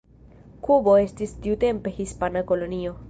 Kubo estis tiutempe hispana kolonio.